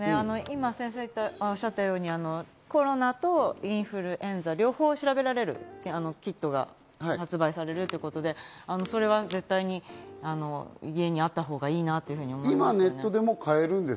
コロナとインフルエンザ両方調べられるキットが発売されるということで、それは絶対に家にあったほうがいいなというふうに思います。